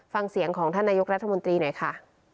ฟังเสียงของท่านนายกรัฐมนตรีหน่อยค่ะ